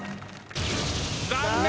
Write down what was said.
残念！